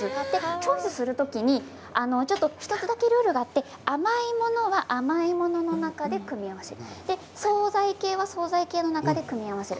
チョイスする時に１つだけルールがあって甘いものは甘いものの中で組み合わせる総菜系は総菜系の中で組み合わせる。